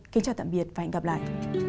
kính chào tạm biệt và hẹn gặp lại